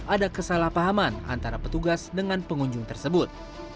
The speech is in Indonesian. ada kesalahpahaman antara petugas dengan pengunjung tersebut